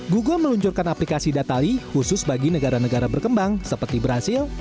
google meluncurkan aplikasi datali khusus bagi negara negara berkembang seperti brazil